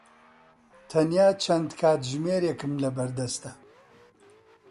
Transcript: تەنیا چەند کاتژمێرێکم لەبەردەستە.